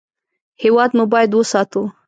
هېواد مو باید وساتو